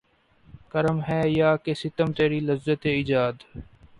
کرم ہے یا کہ ستم تیری لذت ایجاد